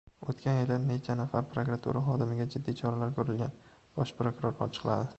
O‘tgan yili necha nafar prokuratura xodimiga jiddiy choralar ko‘rilgan? Bosh prokuror ochiqladi